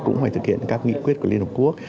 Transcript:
cũng phải thực hiện các nghị quyết của liên hợp quốc